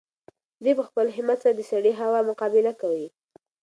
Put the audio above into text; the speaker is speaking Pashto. دی په خپل همت سره د سړې هوا مقابله کوي.